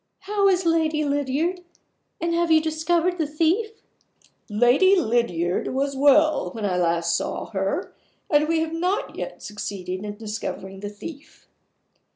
How is Lady Lydiard? And have you discovered the thief?" "Lady Lydiard was well when I last saw her; and we have not yet succeeded in discovering the thief."